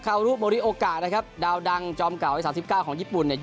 รุโมริโอกานะครับดาวดังจอมเก่าอายุสามสิบเก้าของญี่ปุ่นเนี่ย